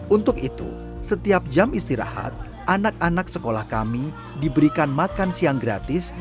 untuk itu setiap jam istirahat anak anak sekolah kami diberikan makan siang gratis